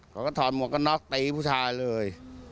ก็ก็ถอนหมวกกับน็อคตีผู้ชายเลย